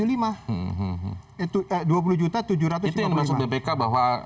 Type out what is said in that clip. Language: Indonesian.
itu yang dimaksud bpk bahwa